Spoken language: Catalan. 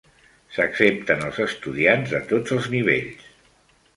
S'accepten els estudiants de tots els nivells.